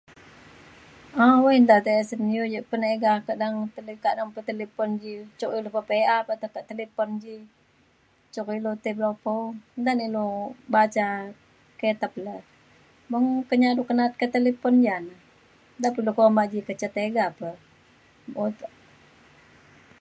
awai nta tisen iu ja peniga kak dalem [unintelligible] kak talipon ji cuk ulu pe pi’a pe te ke talipon ji cuk ilu ti pelepau. nta na ilu baca kitab le. beng ke nyadu ke na’at at talipon ja na da pa ilu kuma ji ke ca tiga pe u-